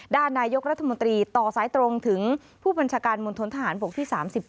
ด้านนายกรัฐมนตรีต่อสายตรงถึงผู้บัญชาการมณฑนทหารบกที่๓๙